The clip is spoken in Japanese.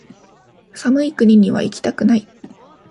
寒い国にはいきたくない